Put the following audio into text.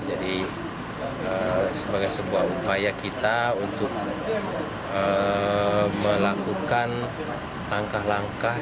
jadi sebagai sebuah upaya kita untuk melakukan langkah langkah